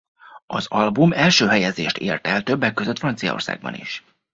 Az album első helyezést ért el többek között Franciaországban is.